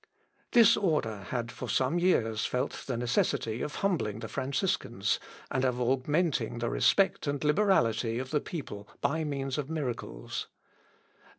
This order had for some years felt the necessity of humbling the Franciscans, and of augmenting the respect and liberality of the people by means of miracles.